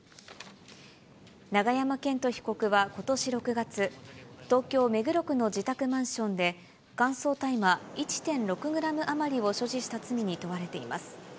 永山絢斗被告はことし６月、東京・目黒区の自宅マンションで、乾燥大麻１．６グラム余りを所持した罪に問われています。